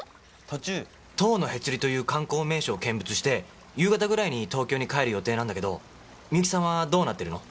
途中塔のへつりという観光名所を見物して夕方ぐらいに東京に帰る予定なんだけどみゆきさんはどうなってるの？